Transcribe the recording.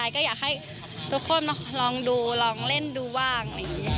ก็อยากให้ทุกคนมาลองดูลองเล่นดูว่าง